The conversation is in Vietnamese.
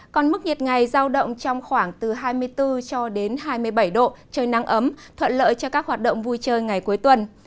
còn mức nhiệt ngày giao động trong khoảng từ hai mươi bốn cho đến hai mươi bảy độ trời nắng ấm thuận lợi cho các hoạt động vui chơi ngày cuối tuần